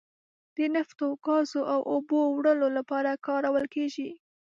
د نفتو، ګازو او اوبو وړلو لپاره کارول کیږي.